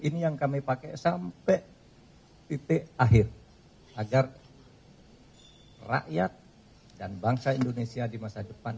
ini yang kami pakai sampai titik akhir agar rakyat dan bangsa indonesia di masa depan